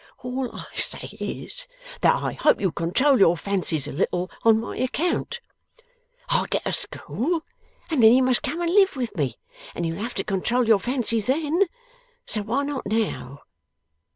All I say is, that I hope you'll control your fancies a little, on my account. I'll get a school, and then you must come and live with me, and you'll have to control your fancies then, so why not now?